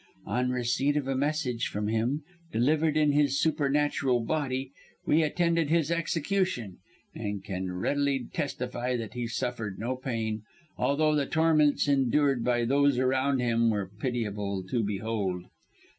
On receipt of a message from him, delivered in his supernatural body, we attended his execution, and can readily testify that he suffered no pain, although the torments endured by those around him were pitiable to behold.